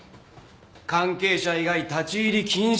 関係者以外立ち入り禁止！